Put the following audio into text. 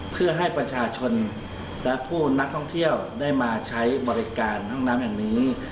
เพื่อให้ประชาชนและผู้นักท่องเที่ยวได้มาใช้บริการห้องน้ำแห่งนี้